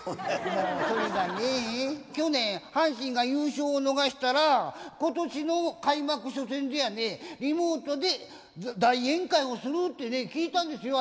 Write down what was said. もうそれがね去年阪神が優勝を逃したら今年の開幕初戦でやねリモートで大宴会をするってね聞いたんですよ